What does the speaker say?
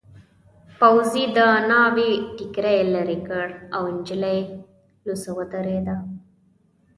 پوځي د ناوې ټکري لیرې کړ او نجلۍ لوڅه ودرېده.